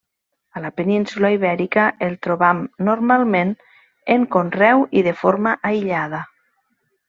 A la península Ibèrica el trobam normalment, en conreu i de forma aïllada.